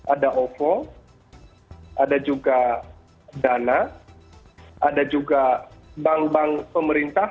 ada ovo ada juga dana ada juga bank bank pemerintah